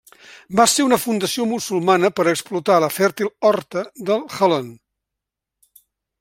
Va ser una fundació musulmana per a explotar la fèrtil horta del Jalón.